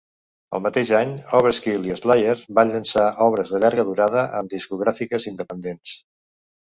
El mateix any, Overkill i Slayer van llançar obres de llarga durada en discogràfiques independents.